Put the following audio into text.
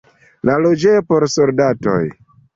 La loĝejoj por soldatoj.